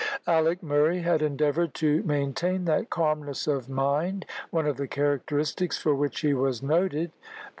Alick Murray had endeavoured to maintain that calmness of mind, one of the characteristics for which he was noted.